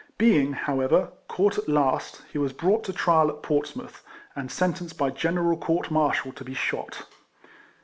Being, however, caught at last, he was brought to trial at Portsmouth, and sen tenced by general court martial to be shot.